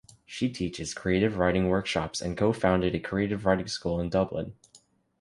She teaches creative writing workshops and co-founded a creative writing school in Dublin.